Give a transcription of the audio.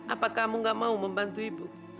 apa kamu gak mau membantu ibu